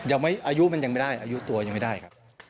อายุมันยังไม่ได้อายุตัวยังไม่ได้ครับ